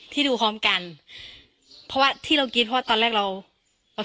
ดูพร้อมกันเพราะว่าที่เราคิดเพราะว่าตอนแรกเราเรา